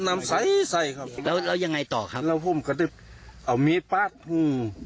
น้ำใสครับแล้วยังไงต่อครับแล้วพวกมันกระติบเอามีดป๊าดหุ้ม